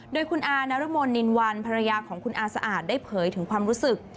โดยคุณอานรมนนินวันภรรยาของคุณอาสะอาดได้เผยถึงความรู้สึก